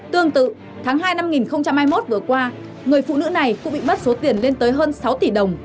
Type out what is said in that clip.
tương tự tháng hai năm hai nghìn hai mươi một vừa qua người phụ nữ này cũng bị mất số tiền lên tới hơn sáu tỷ đồng